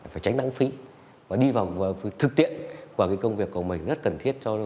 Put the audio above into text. phải tránh lãng phí và đi vào thực tiện của công việc của mình rất cần thiết